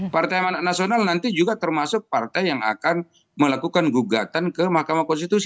partai amanat nasional nanti juga termasuk partai yang akan melakukan gugatan ke mahkamah konstitusi